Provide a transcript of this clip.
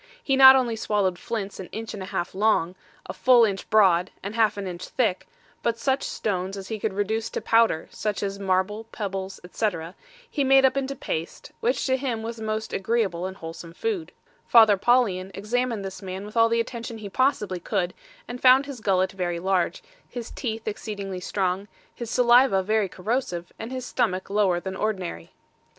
He not only swallowed flints an inch and a half long, a full inch broad, and half an inch thick, but such stones as he could reduce to powder, such as marble, pebbles, etc., he made up into paste, which to him was a most agreeable and wholesome food. Father Paulian examined this man with all the attention he possibly could, and found his gullet very large, his teeth exceedingly strong, his saliva very corrosive, and his stomach lower than ordinary.